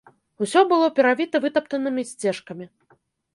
Усё было перавіта вытаптанымі сцежкамі.